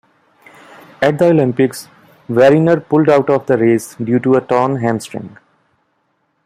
At the Olympics, Wariner pulled out of the race due to a torn hamstring.